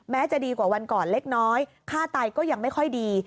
จะดีกว่าวันก่อนเล็กน้อยค่าไตก็ยังไม่ค่อยดี